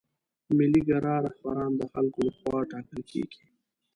ملي ګرا رهبران د خلکو له خوا ټاکل کیږي.